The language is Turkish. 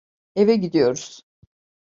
Eve gidiyoruz.